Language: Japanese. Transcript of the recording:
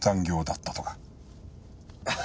ハハ。